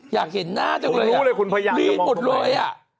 อยากเห็นหน้าจริงเลยดีทุกคนเลย